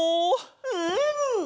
うん！